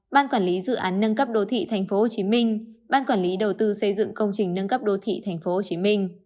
ban quản lý dự án nâng cấp đô thị tp hcm ban quản lý đầu tư xây dựng công trình nâng cấp đô thị tp hcm